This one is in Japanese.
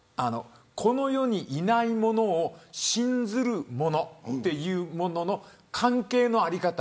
この世にいないものを信ずるものというものの関係の在り方